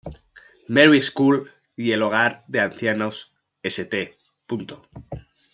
Mary school y el hogar de ancianos St.